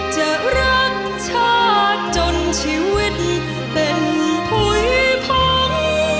จะรักชาติจนชีวิตเป็นผุยพง